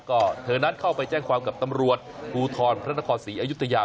ก็เธอนั้นเข้าไปแจ้งความกับตำรวจภูทรพระนครศรีอยุธยา